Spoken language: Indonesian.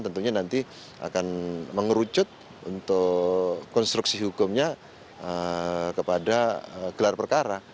tentunya nanti akan mengerucut untuk konstruksi hukumnya kepada gelar perkara